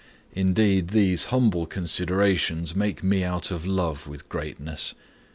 "Indeed, these humble considerations make me out of love with greatness.